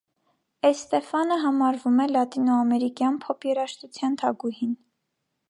Էստեֆանը համարվում է լատինոամերիկյան փոփ երաժշտության թագուհին։